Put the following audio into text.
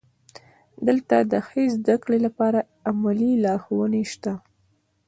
دلته د ښې زده کړې لپاره عملي لارښوونې شته.